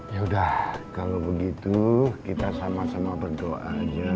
yaudah kalau begitu kita sama sama berdoa aja